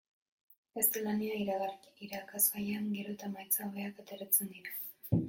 Gaztelania irakasgaian gero eta emaitza hobeak ateratzen dira.